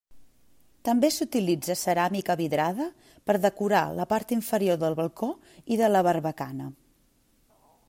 També s'utilitza ceràmica vidrada per decorar la part inferior del balcó i de la barbacana.